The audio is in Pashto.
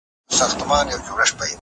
شرایط د فرد په خپلو پریکړو تاثیر کوي.